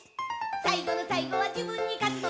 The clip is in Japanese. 「さいごのさいごはじぶんにかつのだ」